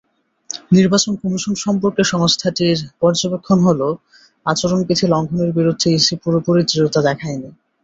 নির্বাচন কমিশন সম্পর্কে সংস্থাটির পর্যবেক্ষণ হলো, আচরণবিধি লঙ্ঘনের বিরুদ্ধে ইসি পুরোপুরি দৃঢ়তা দেখায়নি।